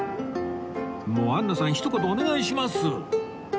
もうアンナさんひと言お願いします